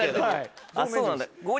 そうなんだゴー☆